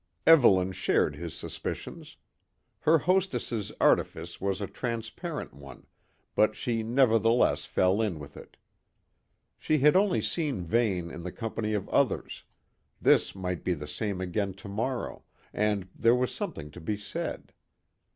Evelyn shared his suspicions. Her hostess's artifice was a transparent one, but she nevertheless fell in with it. She had only seen Vane in the company of others; this might be the same again to morrow, and there was something to be said.